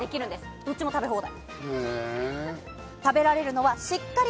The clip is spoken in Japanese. どっちも食べ放題。